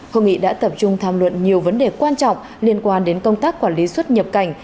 hội nghị đã tập trung tham luận nhiều vấn đề quan trọng liên quan đến công tác quản lý xuất nhập cảnh